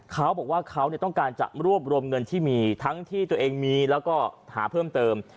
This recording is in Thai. เขาบอกว่าเขาต้องการจะรวบรวมเงินที่มีทั้งที่ตัวเองมีแล้วก็หาเพิ่มเติม